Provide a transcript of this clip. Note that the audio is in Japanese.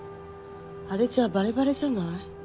あれじゃバレバレじゃない。